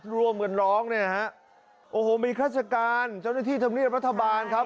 ร่วมกันร้องเนี่ยฮะโอ้โหมีข้าราชการเจ้าหน้าที่ธรรมเนียบรัฐบาลครับ